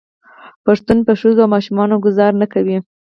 پښتون په ښځو او ماشومانو ګذار نه کوي.